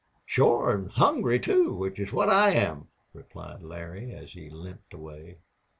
"Shore. An' hungry, too, which is what I am," replied Larry, as he limped away.